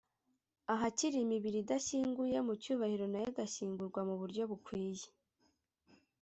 ahakiri imibiri idashyinguye mu cyubahiro nayo igashyingurwa mu buryo bukwiye